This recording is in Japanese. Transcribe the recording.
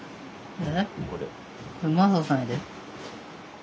え？